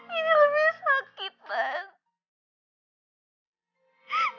ini lebih sakit mas